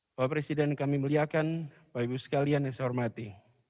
bapak presiden kami muliakan bapak ibu sekalian yang saya hormati